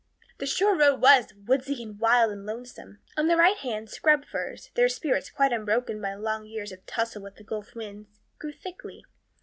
The shore road was "woodsy and wild and lonesome." On the right hand, scrub firs, their spirits quite unbroken by long years of tussle with the gulf winds, grew thickly.